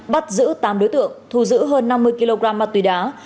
bắt giữ tám đối tượng thu giữ hơn năm mươi kg ma túy đá